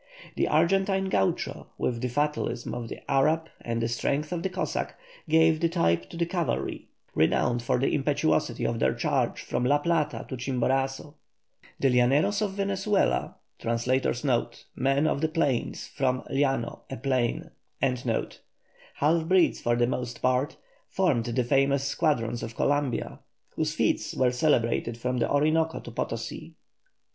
The Argentine gaucho, with the fatalism of the Arab and the strength of the Cossack, gave the type to the cavalry, renowned for the impetuosity of their charge from La Plata to Chimborazo. The llaneros of Venezuela, half breeds for the most part, formed the famous squadrons of Columbia, whose feats were celebrated from the Orinoco to Potosi.